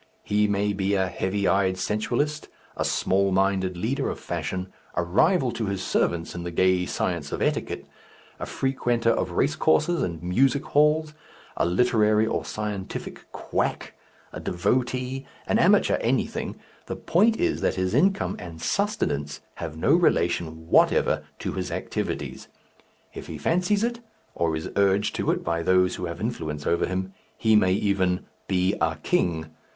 He may be a heavy eyed sensualist, a small minded leader of fashion, a rival to his servants in the gay science of etiquette, a frequenter of race courses and music halls, a literary or scientific quack, a devotee, an amateur anything the point is that his income and sustenance have no relation whatever to his activities. If he fancies it, or is urged to it by those who have influence over him, he may even "be a king!"